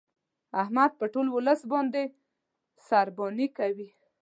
احمد په ټول ولس باندې سارباني کوي.